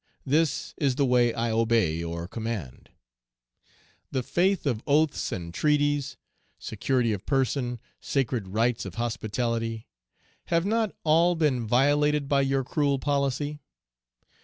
This is the way I obey or command. The faith of oaths and treaties, security of person, sacred rights of hospitality, have not all been violated by your cruel policy?